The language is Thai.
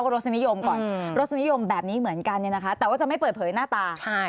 รสนิยมแบบนี้เหมือนกันนะคะแต่ว่าจะไม่เปิดเผยหน้าตา